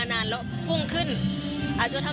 มันอาจจะเป็นแก๊สธรรมชาติค่ะ